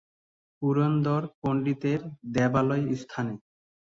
পুরন্দর পণ্ডিতের দেবালয় স্থানে।।